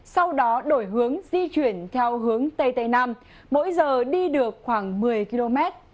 sau đó đổi hướng di chuyển theo hướng tây tây nam mỗi giờ đi được khoảng một mươi km